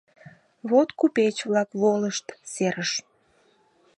Вот купеч-влак волышт серыш: